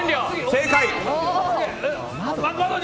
正解！